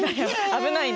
危ないね。